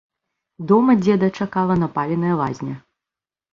Дома дзеда чакала напаленая лазня.